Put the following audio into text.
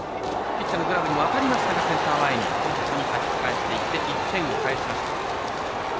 ピッチャーのグラブに当たりましたがセンター前にかえっていって１点を返しました。